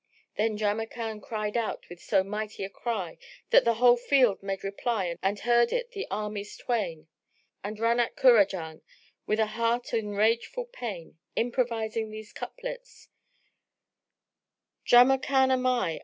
Then Jamrkan cried out with so mighty a cry, that the whole field made reply and heard it the armies twain, and ran at Kurajan with a heart in rageful pain, improvising these couplets:— Jamrkan am I!